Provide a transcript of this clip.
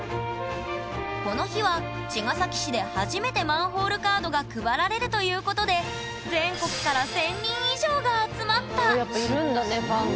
この日は茅ヶ崎市で初めてマンホールカードが配られるということで全国から１，０００人以上が集まったやっぱいるんだねファンが。